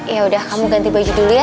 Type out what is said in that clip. yaudah kamu ganti baju dulu ya